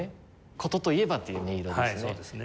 「箏といえば」っていう音色ですね。